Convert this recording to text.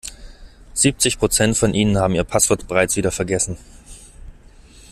Siebzig Prozent von Ihnen haben ihr Passwort bereits wieder vergessen.